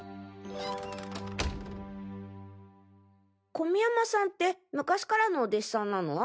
込山さんって昔からのお弟子さんなの？